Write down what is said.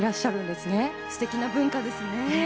すてきな文化ですね。